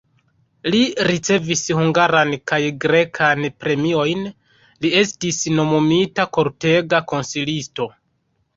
Li ricevis hungaran kaj grekan premiojn, li estis nomumita kortega konsilisto.